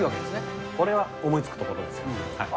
これは思いつくところですね。